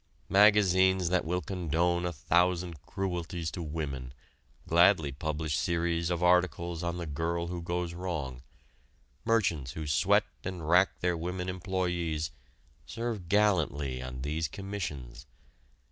Magazines that will condone a thousand cruelties to women gladly publish series of articles on the girl who goes wrong; merchants who sweat and rack their women employees serve gallantly on these commissions.